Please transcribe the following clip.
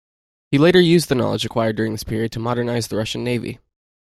He later used the knowledge acquired during this period to modernise the Russian navy.